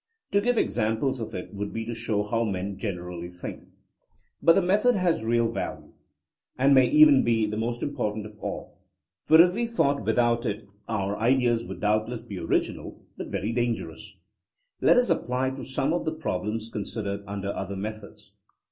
To give examples of it would be to show how men generally think. But the method has real value, and may even BHoM? We Think, 34 THINEINO AS A SCIENCE be the most important of all, for if we thought without it our ideas would doubtless be orig inal, but very dangerous. Let us apply it to some of the problems considered undeir other methods.